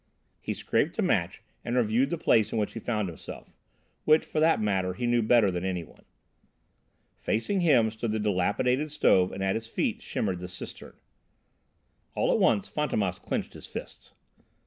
He scraped a match and reviewed the place in which he found himself which for that matter he knew better than any one. Facing him stood the dilapidated stove and at his feet shimmered the cistern. All at once Fantômas clenched his fists.